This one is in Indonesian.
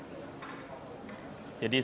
jadi saya sendiri kan diusung